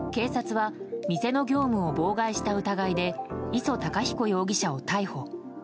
警察は店の業務を妨害した疑いで礒隆彦容疑者を逮捕。